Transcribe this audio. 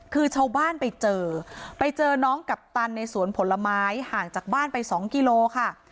คือชาวบ้านไปเจอไปเจอน้องกัปตันในสวนผลไม้ห่างจากบ้านไปสองกิโลค่ะ